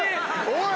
おい！